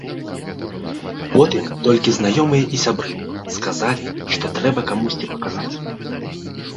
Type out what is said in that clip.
Потым толькі знаёмыя і сябры сказалі, што трэба камусьці паказаць.